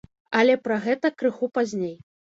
Але пра гэта крызу пазней.